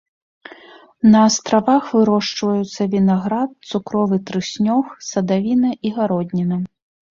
На астравах вырошчваюцца вінаград, цукровы трыснёг, садавіна і гародніна.